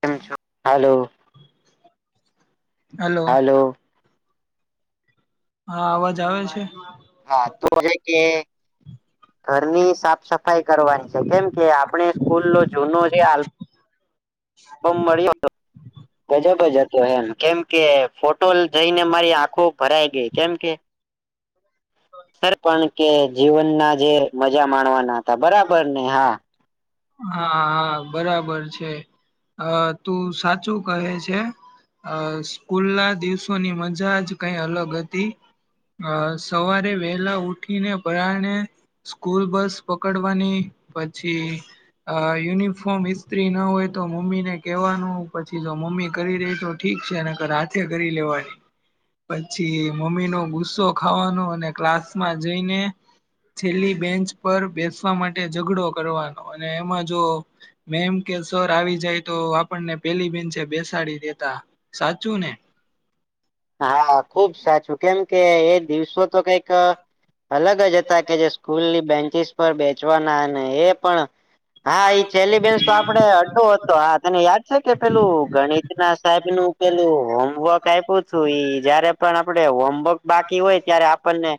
કેમ છો hello hello હા અવાજ આવે છે. હા તો કે ઘરની સાફ સફાઈ કરવાની છે કેમ કે આ આપણે સ્કૂલ નો જૂનો આલ્બમ મળ્યો ગજબજ હતો એમ કેમ કે ફોટો જઈને મારી આંખો ભરાય ગઈ કેમ કે સર પણ કે જીવન ના જે મજા માણવાના હતા બરાબર ને હા હા હા બરાબર છે હા તું સાચું કહે છે અ સ્કૂલ ના દિવસોની મજા જ કઈ અલગ હતી. અ સવારે વહેલા ઉઠીને પરાણે સ્કૂલ બસ પકડવાની પછી અ યુનિફોર્મ ઇસ્ત્રી ના હોય તો મમ્મી ને કહેવાનું પછી જો મમ્મી કરી રહી તો ઠીક છે અને કર હાથે કરી લેવાય પછી મમ્મી નો ગુસ્સો ખાવાનો અને ક્લાસમાં જઈને છેલ્લી બેન્ચ પર બેસવા માટે ઝઘડો કરવાનો અને એમાં જો મે એમ કે સર આવી જાય તો આપણને પેલી બેનચે બેસાડી દેતા સાચું ને હા ખુબ સાચું કેમ કે એ દિવસો તો કઈક. અલગ જ હતા કે જે સ્કૂલની બેન્ચિસ પર બેચવાના અને એ પણ હા ઈ છેલ્લી બેસ તો આપડે અડો. તો હા તને યાદ છે કે પેલું ગણિત ના સાહેબ નું પેલું હોમવર્ક શ છું ઈ જયારે પણ આપડ હોમવર્ક બાકી હોય ત્યારે આપણને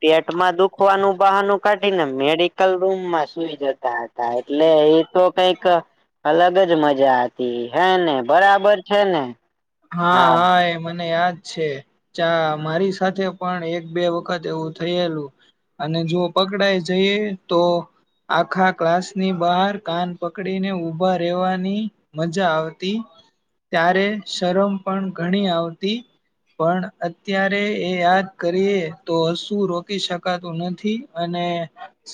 પેટમાં દુખવાનું બહાનું કાઢી ને મેડિકલ. રૂમમાં સુઈ જતા હતા એટલે એ તો કઈક. અલગ જ મજા હતી હે ને બરાબર છે ને. હા હા એ મને યાદ છે અચ્છા મારી સાથે પણ એક બે વખત એવું થયેલું. અને જો પકડાય જઈએ તો. આખા ક્લાસ ની બહાર કાન પકડી ને ઉભા રહેેવાની મજા આવતી ત્યારે શરમ પણ ઘણી આવતી પણ અત્યારે એ યાદ કરીએ, તો શું રોકી શકાતું નથી? અને,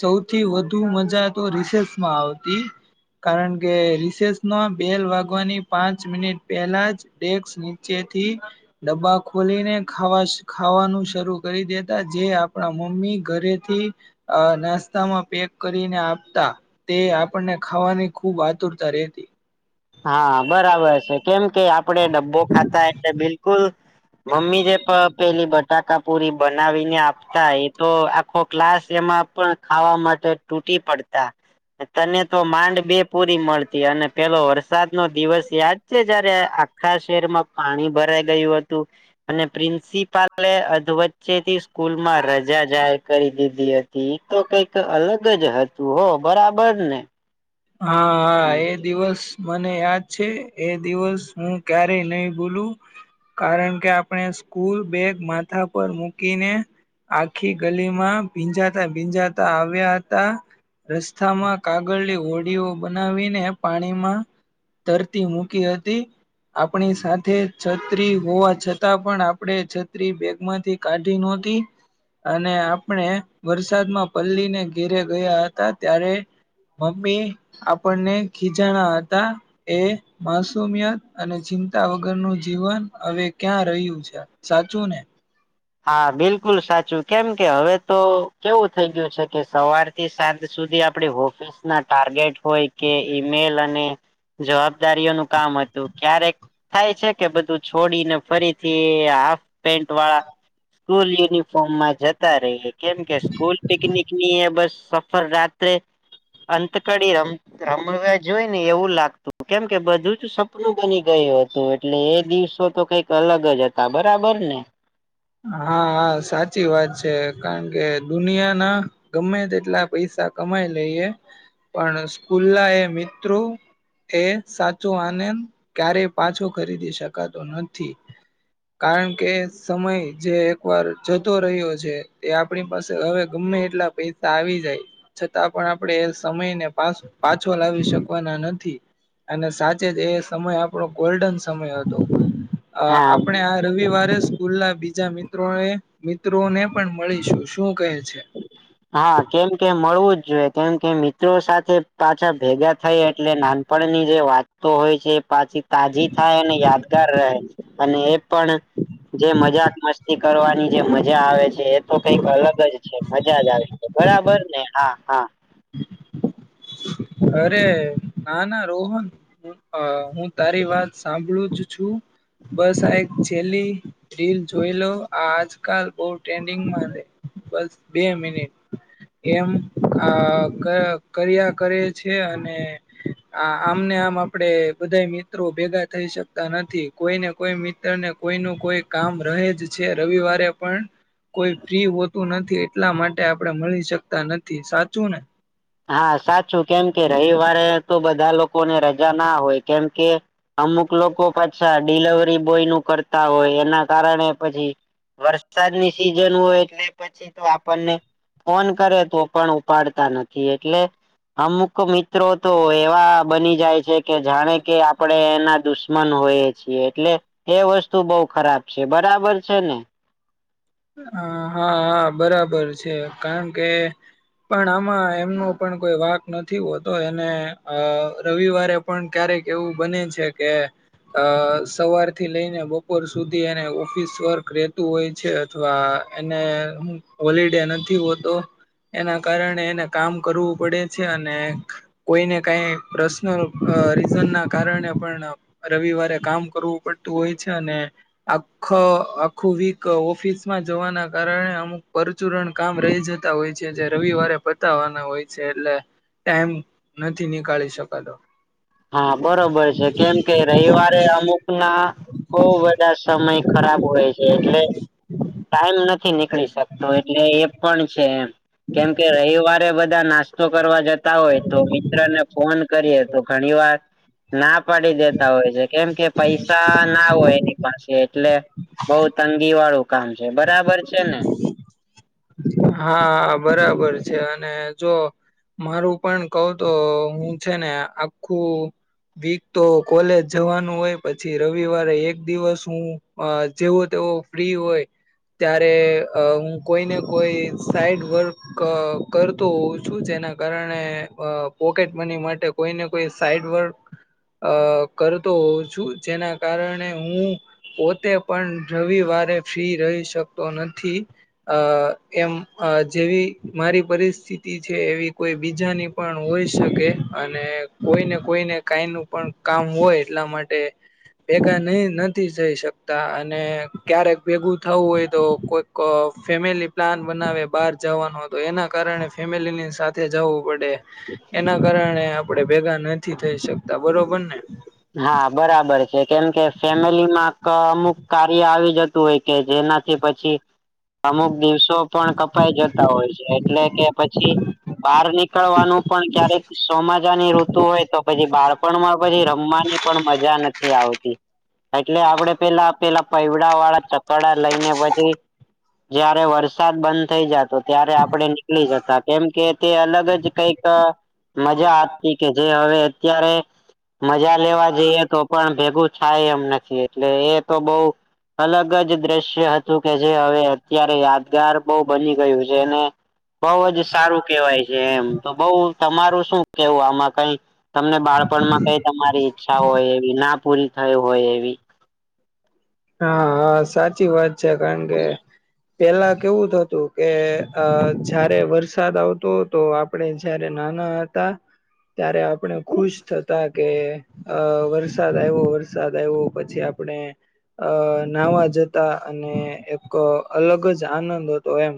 સૌથી વધુ મજા તો રિસેસમાં આવતી. કારણ કે રિસેસના બેલ વાગવાની પાંચ મિનિટ પહેલા જ ડેસ્ક નીચેથી ડબ્બા ખોલીને ખાવા ખાવાનું શરૂ કરી દેતા, જે આપણા મમ્મી ઘરેથી અ નાસ્તામાં પેક કરીને આપતા. તે આપણને ખાવાની ખૂબ આતુરતા રહેેતી. હા, બરાબર છે. કેમ કે આપડે ડબ્બો ખાતા એટલે બિલકુલ મમ્મી જે પ પેલી બટાકા પુરી બનાવીને આપતા, એ તો આખો ક્લાસ એમાં પણ ખાવા માટે ટૂટી પડતા. તને તો માંડ બે પૂરી મળતી. અને પેલો વર સાદ નો દિવસ યાદ છે, જયારે આખા શહેરમાં પાણી ભરાઈ ગયું હતું! અને પ્રિન્સિપલે અધવચ્ચેથી સ્કૂલમાં રજા જાહેર કરી દીધી હતી. ઈ તો કઈક અલગ જ હતું હોં. બરાબર ને! હા, હમ હા, એ દિવસ મને યાદ છે. એ દિવસ હું ક્યારેય નહી ભૂલું. કારણકે આપણે સ્કૂલ બેગ માથા પર મૂકીને આખી ગલીમાં ભીંજાતા ભીંજાતા આવ્યા હતા રસ્તામાં કાગળની હોડીઓ બનાવીને, પાણીમાં તરતી મૂકી હતી. આપણી સાથે છત્રી હોવા છતાં પણ, આપણે છત્રી બેગમાંથી કાઢી નહોતી. અને આપણે વરસાદમાં પલ્લીને ઘેરે ગયા હતા, ત્યારે મમ્મી આપણને ખીજાણા હતા. એ માસુમિયત અને ચિંતા વગરનું જીવન, અવે ક્યાં રહ્યું છે? સાચું ને? હા, બિલકુલ સાચું. કેમ કે હવે તો કેવું થઈ ગ્યું છે કે સવાર થી સાંજ સુધી આપડે હોફિસના ટાર્ગેટ હોય, કે ઈમેલ અને જવાબદારીઓનું કામ હતું. ક્યારેક થાય છે કે, બધું છોડીને ફરીથી હાફપેન્ટ વાળા સ્કૂલ યુનિફોર્મમાં જતા રહીએ. કેમ કે સ્કૂલ પિકનિક ની એ બસ ફર રાત્રે અંતકડી રમ [unintelligible] જોઈ ને એવું લાગતું. કેમ કે બધું જ સપનું બની ગયું હતું. તો, એટલે એ દિવસો તો કંઈક અલગ જ હતા, બરાબર ને! હા, હા. સાચી વાત છે. કારણકે દુનિયાના ગમે તેટલા પૈસા કમાઈ લઈએ, પણ સ્કૂલના એ મિત્રો એ સાચો આનંદ ક્યારેય પાછો ખરીદી શકાતો નથી. કારણ કે સમય જે એકવાર જતો રહ્યો છે, તે આપણી પાસે હવે ગમ્મે એટલા પૈસા આવી જાય છતાં પણ આપણેે એ સમયને પા પાછો લાવી શકવાના નથી. અને સાચે જ એ સમય આપણો ગોલ્ડન સમય હતો. અ, હા આપણે આ રવિવારે સ્કૂલના બી જા મિત્રો એ મિત્રોને પણ મળીશું. શું કહે છે? હા, કેમ કે મળવું જ જોઈએ. કેમ કે મિત્રો સાથે પાછા ભેગા થઈએ એટલે નાન પણની જે વાતતો હોય છે, એ પાછી તાજી થાય, અને યાદગાર રહે. અને એ પણ જે મજાક મસ્તી કરવાની જે મજા આવે છે એ તો કઈક અલગ જ છે મજા જ આવે છે બરાબર ને હા હા અરે ના ના રોહન અ હું તારી વાત સાંભળું જ છું બસ આ એક છેલ્લી રીલ જોઈ લો આ આજકાલ બહુ ટ્રેન્ડિંગમાં રે બસ બે મિનિટ એમ કર્યા કરે છે અને આ આમ ને આમ આપડે બધા મિત્રો ભેગા થઈ શકતા નથી કોઈ ને કોઈ મિત્ર કોઈ ન કોઈ કામ રહે જ છે રવિવારે પણ કોઈ ફ્રી હોતું નથી એટલા માટે આપડે મળી શકતા નથી સાચું ને હા સાચું કેમ કે રવિવારે તો બધા લોકોને રજા ના હોય કેમ કે અમુક લોકો પાછા ડીલવરી બોય નું કરતા હોય એના કારણે પછી વરસાદની સિઝન હોય એટલે પછી તો આપણને ફોન કરે તો પણ ઉપાડતા નથી એટલે અમુક મિત્રો તો એવા બની જાય છે કે જાણે કે આપડે એના દુશ્મન હોય એટલે એ વસ્તુ બહ ખરાબ છે બરાબર છે ને આ હા આ બરાબર છે કારણ કે પણ આમાં એમનો પણ કોઈ વાક નથી હોતો એને અ રવિવારે પણ ક્યારેક એવું બને છે કે અ સવાર થી લઈને બપોર સુધી એને ઉ ઓફિસ વર્ક રેતું હોય છે અથવા એને હોલીડે નથી હોતો. એના કારણે એને કામ કરવું પડે છે અને કોઈને કઈ પ્રશ્ન અ રીઝન ના કારણે પણ રવિવારે કામ કરવું પડતું હોય છે અને આ ખ આખું વીક ઓફિસમાં જવાના કારણે અમુક પરચુરણ કામ રહી જત તા હોય છે જે રવિવારે પતાવાના હોય છે એટલે ટાઈમ નથી નીકાળી શકાતો હા બરોબર છે કેમ કે રવિવારે અમુક ના બહ બ આ સમય ખરાબ હોય છે એટલે ટાઈમ નથી નીકળી શકતો એટલે એ પણ છે એમ કેમ કે રવિવારે બધા નાસ્તો કરવા જત જતા હોય તો મિત્રને ફોન કરીએ તો ઘણી વાર ના પાડી દેતા હોય છે કેમ કે પૈસા ના હોય એની પાસે એટલે બઉ તંગી વાળું કામ છે બરાબર છે ને હા બરાબર છે અને જો મારું પણ કવ તો હું છે ને આખું વીક તો કોલેજ જવાનું હોય પછી રવિવારે એક દિવસ હું અ જેવો તેવો ફ્રી હોય ત્યારે અ હું કોઈને કોઈ સાઈડ વર્ક કરતો હોઉં છું જેના કારણે અ પોકેટ મની માટે કોઈ ને કોઈ સાઈડ વર્ક અ કરતો હોઉ છું જેના કારણે હું પોતે પણ રવિવારે ફ્રી રહી શકતો નથી અ કેમ અ જેવી મારી પરિસ્થિતિ છે એવી કોઈ બીજાની પણ હોઈ શકે અને કોઈને કોઈને કઈ નું પણ કામ હોય એટલા માટે ભેગા નહી નથી થઈ શકતા અને ક્યારેક ભેગું થવું હોય તો કોઈ ક અ ફેમિલી પ્લાન બનાવે બહાર જાવાનું હતું, એના કારણે ફેમિલીની સાથે જાવું પડે. એના કારણે આપડે ભેગા નથી થઈ શકતા. બરોબર ને? હા બરાબર છે. કેમ કે ફેમિલી માં ક અમુક કાર્ય આવી જતું હોય કે જેનાથી પછી અમુક દિવસો પણ કપાઈ જતા હોય છે. એટલે કે પછી બાર નીકળવાનું પણ ક્યારેક સોમાજાની ઋતુ હોય તો પછી બાળપણ માં પછી રમવા ની પણ મજા નથ થી આવતી. એટલે આપડે પેલા-પેલા પઈવડા વાળા ચક્કડા લઈને પછી જયારે વરસાદ બંધ થઇ જાતો ત્યારે આપડે નીકળી જતા, કેમ કે તે અલગ જ કંઈક મજા આવતી. કે જે હવે અત્યારે મજા લેવા જઈએ તો પણ ભેગું થાય એમ નથી, એટલે એ તો બહું અલગ જ દ્રશ્ય હતું કે જે હવે અત્યારે યાદગાર બહુ બની ગયું છે. ને બહું જ સારું કેવાય છે એમ. તો બહું, તમારું શું કેવું આમાં કંઈ? તમને બાળપણમાં કાંઈ તમારી ઈચ્છા હોય એવી, ના પૂરી થઈ હોય એવી? હા, હા સાચી વાત છે. કારણ કે પેલા કેવું થતું કે અહ જ્યારે વરસાદ આવતો હતો, આપણે જયારે નાના હ તા ત્યારે આપણે ખુશ થતા કે અહ વરસાદ આઈવો, વરસાદ આઈવો, પછી આપણે અહ નાહવા જતા અને એક અલગ જ આનંદ હતો એમ.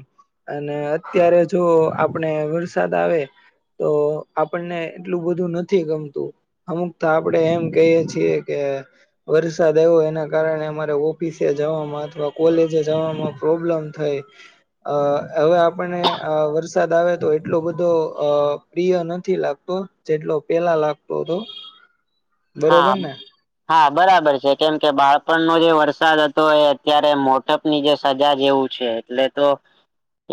અને અત્યારે જો આપને વરસાદ આવે તો આપણને એટલું બધું નથી ગમતું. અમુકતો આપડે એમ કહીએ છીએ કે વરસાદ આયવો એના કારણે અમારે ઓફિસે જવામાં અથવા કોલેજે જવામાં પ્રોબ્લેમ થઈ. અહ હવે આપણને અહ વરસાદ આવે તો એટલો બધો અહ પ્રિય નથી લાગતો. જેટલો પેલા લાગતો તો. હા. હા બરાબર છે. કેમકે બાળપણનો જે વરસાદ હતો એ અત્યારે મોત ની જે સજા જેવું છે. એટલે તો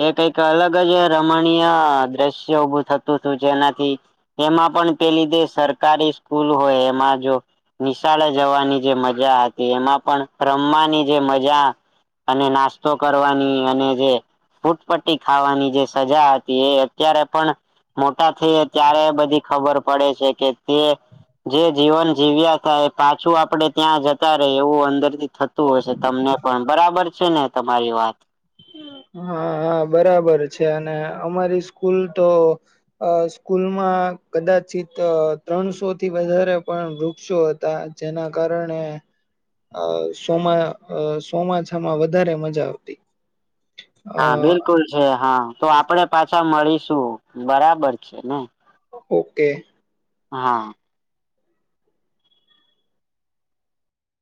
એ કંઈક અલગ જ રમણીય દ્રશ્યો ઉભું થતું તું જેનાથી એમાં પણ પેલી જે સરકારી સ્કૂલ હોય એમાં જો નિશાળે જવાની જે મજા હતી, એમાં પણ રમવાની જે મજા અને નાસ્તો કરવાની, અને જે ફૂટપટ્ટી ખાવાની જે સજા હતી એ અત્યારે પણ મોટા થયે ત્યારે બધી ખબર પડે છે કે તે જે જીવન જીવ્યા તા એ પાછું આપડે ત્યાં જતા રહીએ એવું અંદરથી થત તું હશે તમને પણ. બરાબર છે ને તમારી વાત? હા, હા બરાબર છે. અને અમારી સ્કૂલ તો અહ સ્કૂલમાં કદાચિત ત્રણસોથી વધારે પણ વૃક્ષો હતા. જેના કારણે અહ સોમાં સોમાછામાં વધારે મજા આવતી. અ હા બિલકુલ છે હા. તો આપડે પાછા મળીશું. બરાબર છે ને? ઓકે. હા.